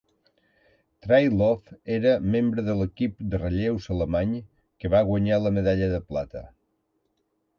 Trieloff era membre de l"equip de relleus alemany que va guanyar la medalla de plata.